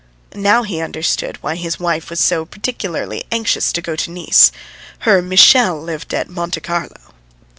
Now, he understood why his wife was so particularly anxious to go to Nice: her Michel lived at Monte Carlo.